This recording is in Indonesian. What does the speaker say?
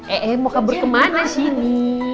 eh eh mau kabur kemana sih ini